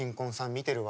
見てるわ。